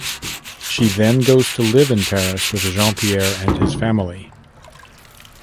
She then goes to live in Paris with Jean-Pierre and his family.